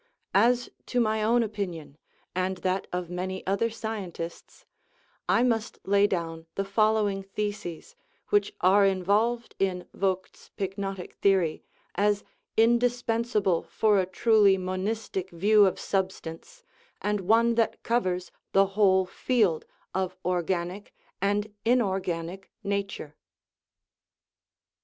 As to my own opinion and that of many other scientists I must lay down the following theses, which are involved in Vogt's pyknotic theory, as indispensable for a truly monistic view of substance, and one that covers the whole field of organic and in organic nature : I.